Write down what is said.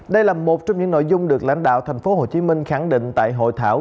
đây là một trong những nội dung được lãnh đạo tp hcm khẳng định tại hội thảo